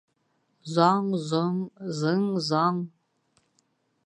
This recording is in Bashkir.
Заң-зоң... зың-заң...